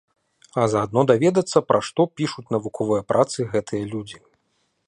А заадно даведацца, пра што пішуць навуковыя працы гэтыя людзі.